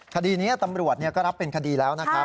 คดีนี้ตำรวจก็รับเป็นคดีแล้วนะครับ